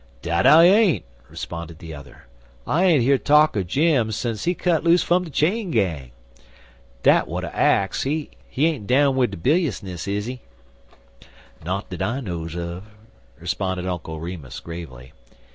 "Dat I ain't," responded the other; "I ain't hear talk er Jem sence he cut loose fum de chain gang. Dat w'at make I ax. He ain't down wid de biliousness, is he?" "Not dat I knows un," responded Uncle Remus, gravely.